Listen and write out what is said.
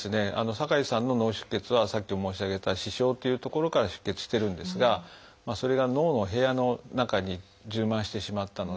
酒井さんの脳出血はさっき申し上げた視床という所から出血してるんですがそれが脳の部屋の中に充満してしまったので。